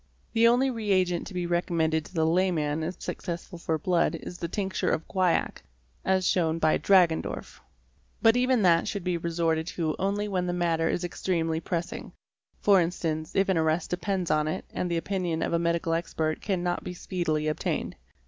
| The only reagent to be recommended to the layman as successful for | blood is the tincture of guaiac, as shown by Dragendorf™". But even ; that should be resorted to only when the matter is extremely pressing, for { instance if an arrest depends on it, and the opinion of a medical expert — cannot be speedily obtained.